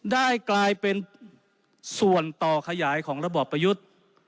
ได้กลายเป็นส่วนต่อขยายของระบอบประยุทธ์